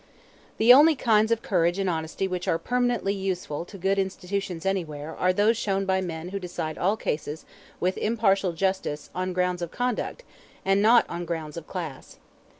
The only kinds of courage and honesty which are permanently useful to good institutions anywhere are those shown by men who decide all cases with impartial justice on grounds of conduct and not on grounds of class.